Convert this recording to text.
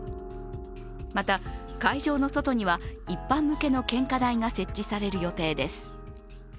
また、会場の外には一般向けの献花台が設置される予定です。